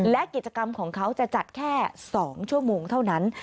และกิจกรรมของเขาจะจัดแค่๒ชั่วโมงเท่านั้น